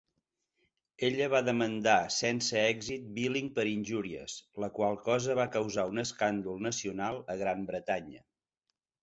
Ella va demandar sense èxit Billing per injúries, la qual cosa va causar un escàndol nacional a Gran Bretanya.